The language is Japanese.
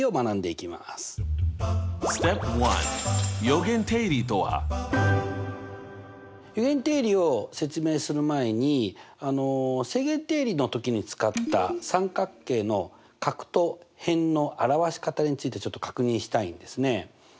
余弦定理を説明する前に正弦定理の時に使った三角形の角と辺の表し方についてちょっと確認したいんですね。